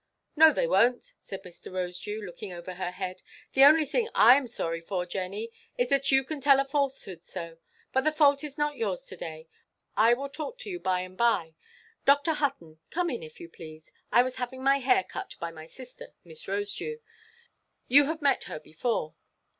"No, they wonʼt," said Mr. Rosedew, looking over her head; "the only thing I am sorry for, Jenny, is that you can tell a falsehood so. But the fault is not yours only. I will talk to you by–and–by. Dr. Hutton, come in, if you please. I was having my hair cut by my sister, Miss Rosedew. You have met her before.